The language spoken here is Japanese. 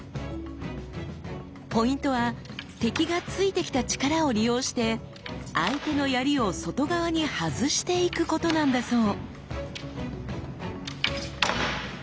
ポイントは敵が突いてきた力を利用して相手の槍を外側に外していくことなんだそう。